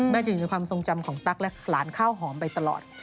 จะอยู่ในความทรงจำของตั๊กและหลานข้าวหอมไปตลอด